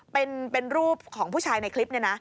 เป็นรูปของผู้ชายในคลิปนี้นะ